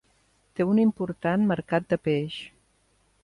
Té un important mercat de peix.